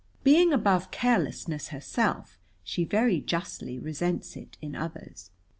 Being above carelessness herself, she very justly resents it in others.